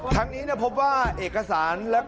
ทางนี้เนี่ยพบว่าเอกสารแล้วก็